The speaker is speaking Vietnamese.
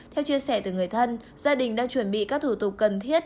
theo chia sẻ từ người thân gia đình đang chuẩn bị các thủ tục cần thiết